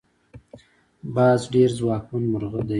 باز ډیر ځواکمن مرغه دی